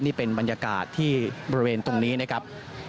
นี่เป็นบรรยากาศที่บริเวณตรงนี้นะครับ